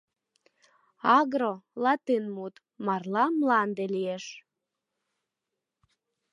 Агро — латын мут, марла «мланде» лиеш.